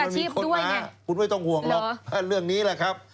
มันมีคนมาคุณไม่ต้องห่วงหรอกเรื่องนี้แหละครับ